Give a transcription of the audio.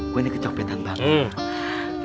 gue ini kecoh petang banget